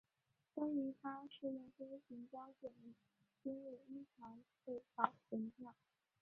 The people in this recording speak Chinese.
关于他的试验飞行胶卷今日依然被保存着。